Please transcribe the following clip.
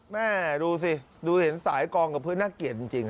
แม่ดูสิดูเห็นสายกองกับพื้นน่าเกลียดจริง